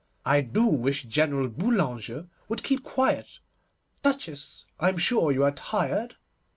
I do wish General Boulanger would keep quiet. Duchess, I am sure you are tired?